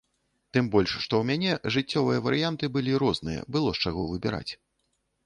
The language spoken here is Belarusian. Тым больш, што ў мяне жыццёвыя варыянты былі розныя, было з чаго выбіраць.